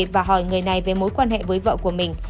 và hỏi người này về mối quan hệ với vợ của mình